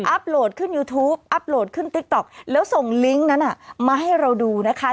โหลดขึ้นยูทูปอัพโหลดขึ้นติ๊กต๊อกแล้วส่งลิงก์นั้นมาให้เราดูนะคะ